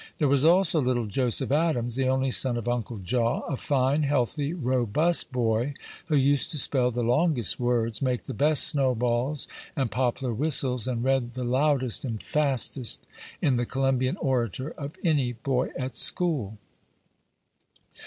There was also little Joseph Adams, the only son of Uncle Jaw, a fine, healthy, robust boy, who used to spell the longest words, make the best snowballs and poplar whistles, and read the loudest and fastest in the Columbian Orator of any boy at school.